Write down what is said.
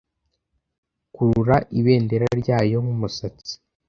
kurura ibendera ryayo nkumusatsi